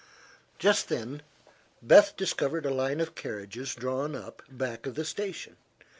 Just then Beth discovered a line of carriages drawn up back of the station.